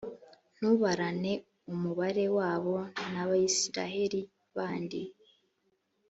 ntubarane umubare wabo n abisirayeli bandi